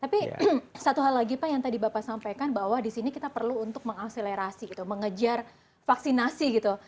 tapi satu hal lagi pak yang tadi bapak sampaikan bahwa di sini kita perlu untuk mengakselerasi gitu mengejar vaksinasi gitu